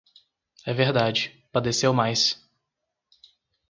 É verdade, padeceu mais.